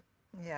menurut saya itu